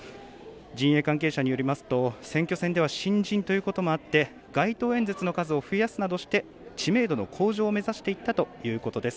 陣営関係者によりますと選挙戦では新人ということもあって街頭演説の数を増やすなどして知名度の向上を目指していったということです。